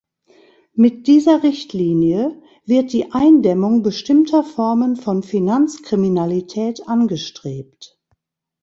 Mit dieser Richtlinie wird die Eindämmung bestimmter Formen von Finanzkriminalität angestrebt.